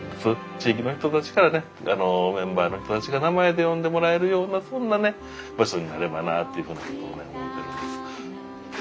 地域の人たちからねメンバーの人たちが名前で呼んでもらえるようなそんなね場所になればなっていうふうに思ってるんです。